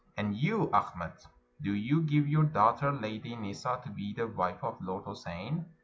" And you, Achmet, do you give your daughter. Lady Nissa, to be the wife of Lord Houssein?"